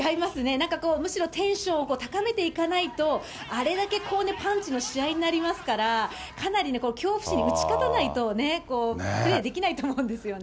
なんかこう、むしろテンションを高めていかないと、あれだけ、パンチの試合になりますから、かなり恐怖心に打ち勝たないとプレーできないと思うんですよね。